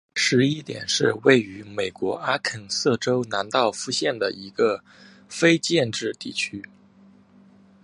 十一点是位于美国阿肯色州兰道夫县的一个非建制地区。